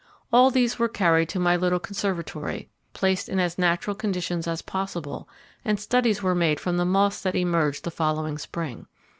All these were carried to my little conservatory, placed in as natural conditions as possible, and studies were made from the moths that emerged the following spring.